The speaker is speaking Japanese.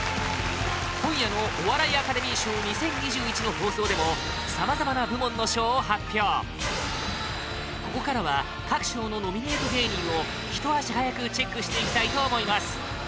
今夜の「お笑いアカデミー賞２０２１」の放送でもここからは各賞のノミネート芸人を一足早くチェックしていきたいと思います